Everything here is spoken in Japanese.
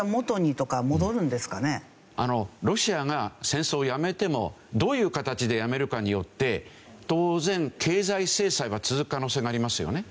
ロシアが戦争をやめてもどういう形でやめるかによって当然経済制裁は続く可能性がありますよね。